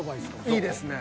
いいですね。